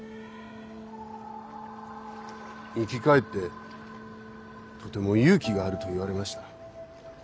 生き返ってとても勇気があると言われました。